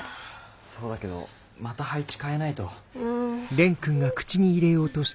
そうだけどまた配置変えないと。